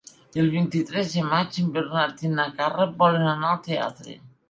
El vint-i-tres de maig en Bernat i na Carla volen anar al teatre.